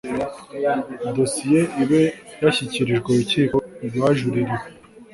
dosiye ibe yashyikirijwe urukiko rwajuririwe